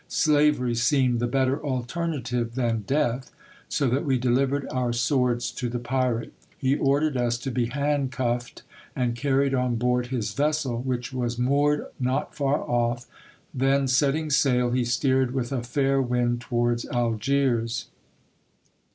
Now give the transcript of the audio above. Slavery seemed the better alternative than death, so that we delivered our swords to the pirate. He ordered us to be handcuffed and carried on board his vessel, which was moored not far off; then, setting sail, he steered with a fair wind towards Algiers.